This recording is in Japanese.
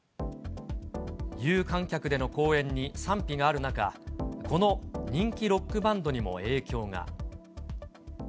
有観客での公演に賛否がある中、この人気ロックバンドにも影響が。